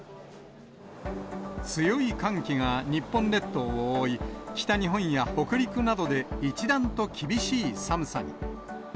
強い寒気が、日本列島を覆い、北日本や北陸などで一段と厳しい寒さに。